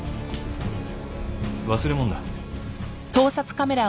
忘れ物だ。